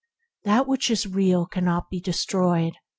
What is real cannot be destroyed.